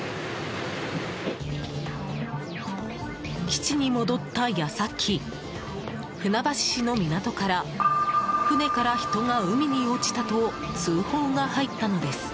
基地に戻った矢先船橋市の港から船から人が海に落ちたと通報が入ったのです。